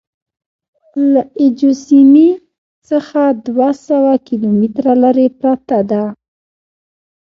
له اي جو سیمې څخه دوه سوه کیلومتره لرې پرته ده.